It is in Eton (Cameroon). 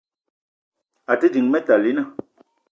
A te ding Metalina